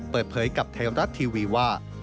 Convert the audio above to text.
เปิดเผยกับไทยรัฐทีวีว่า